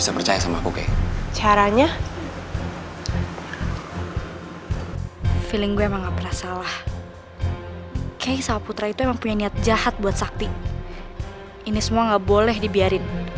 sepertinya perintah kita berhasil